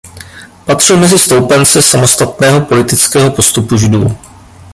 Patřil mezi stoupence samostatného politického postupu Židů.